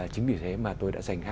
chính vì thế mà tôi đã dành